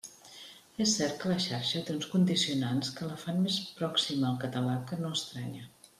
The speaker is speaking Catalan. És cert que la xarxa té uns condicionants que la fan més pròxima al català que no estranya.